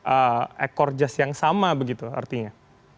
ekor jas yang sama begitu artinya